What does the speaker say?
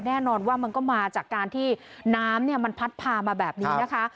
แน่นอนว่ามันก็มาจากการที่น้ำมันพัดพามาแบบนี้นะคะ